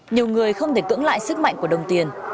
nhiều người không thể cưỡng lại sức mạnh của đồng tiền